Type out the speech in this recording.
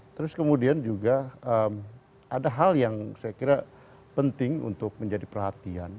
terus kemudian juga ada hal yang saya kira penting untuk menjadi perhatian